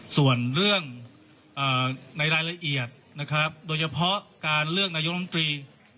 ส่วนเรื่องในรายละเอียดนะครับโดยเฉพาะการเลือกนายกรรมตรี